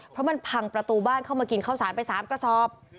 เพราะมันพังประตูบ้านเข้ามากินข้าวสารไป๓กระสอบ